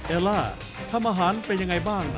ล่าทำอาหารเป็นยังไงบ้าง